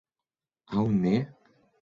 Aŭ ne?